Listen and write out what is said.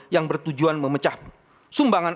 yang bertujuan memecah sumbangan